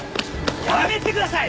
やめてください！